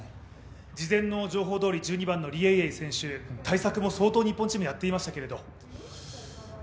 事前の情報どおり１２番のリ・エイエイ選手、対策も相当日本チームやっていましたけど？